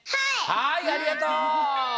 はいありがとう！